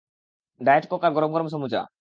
Diet Coke আর গরম গরম সমুচা!